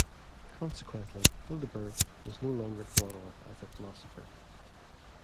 Consequently, Hildebert is no longer thought of as a philosopher.